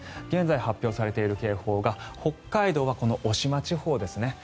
現在、発表されている警報が北海道は渡島地方ですね。